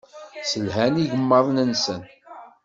Sselhan igmaḍ-nsen.